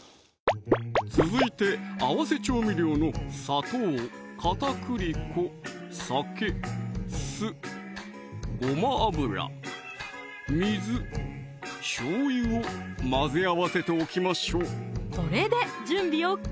続いて合わせ調味料の砂糖・片栗粉・酒・酢・ごま油・水・しょうゆを混ぜ合わせておきましょうこれで準備ＯＫ